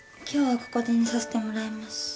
今日はここで寝させてもらいます。